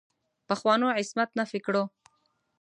پخوانو عصمت نفي کړو.